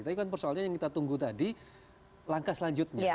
tapi kan persoalannya yang kita tunggu tadi langkah selanjutnya